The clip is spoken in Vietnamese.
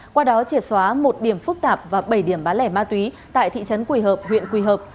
qua đó triệt xóa một điểm phức tạp và bảy điểm bán lẻ ma túy tại thị trấn quỳ hợp huyện quỳ hợp